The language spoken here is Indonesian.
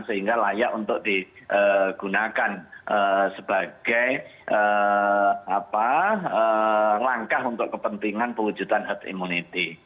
sehingga layak untuk digunakan sebagai langkah untuk kepentingan pewujudan herd immunity